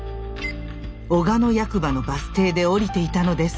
小鹿野役場のバス停で降りていたのです。